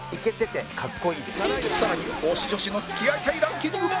さらに推し女子の付き合いたいランキングも